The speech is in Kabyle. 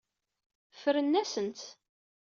Ffren-asen-t.